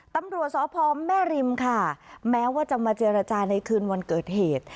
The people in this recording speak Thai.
ตำรวจสพแม่ริมค่ะแม้ว่าจะมาเจรจาในคืนวันเกิดเหตุ